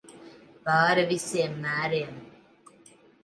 Pāri visiem mēriem.